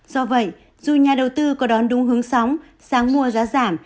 do vậy dù nhà đầu tư có đón đúng hướng sóng sáng mua giá giảm